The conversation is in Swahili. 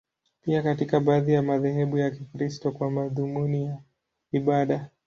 Pia katika baadhi ya madhehebu ya Kikristo, kwa madhumuni ya ibada.